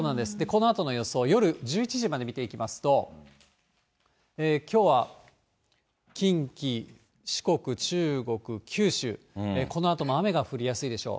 このあとの予想、夜１１時まで見ていきますと、きょうは近畿、四国、中国、九州、このあとも雨が降りやすいでしょう。